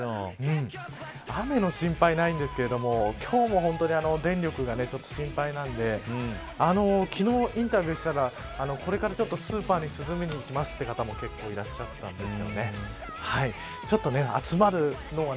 雨の心配ないんですけども今日も本当に電力がちょっと心配なんで昨日インタビューしたらこれからスーパーに涼みに行きますという方も結構いらっしゃったんです。